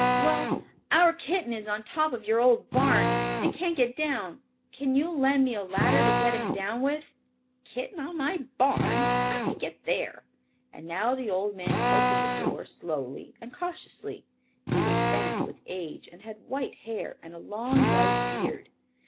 "Well, our kitten is on the top of your old barn and can't get down. Can you lend me a ladder to get him down with?" "Kitten on my barn? How did he get there?" and now the old man opened the door slowly and cautiously. He was bent with age and had white hair and a long white beard.